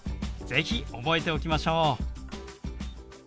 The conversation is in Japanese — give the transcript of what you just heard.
是非覚えておきましょう！